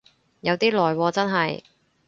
有啲耐喎真係